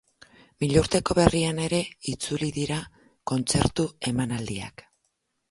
Milurteko berrian ere itzuli dira kontzertu emanaldiak.